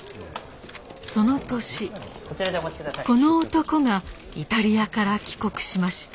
その年この男がイタリアから帰国しました。